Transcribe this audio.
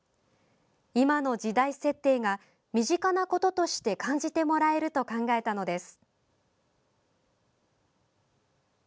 今の時代設定が身近なこととして感じてもらえると考えたのです。